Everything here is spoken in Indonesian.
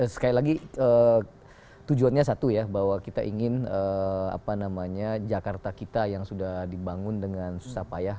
sekali lagi tujuannya satu ya bahwa kita ingin jakarta kita yang sudah dibangun dengan susah payah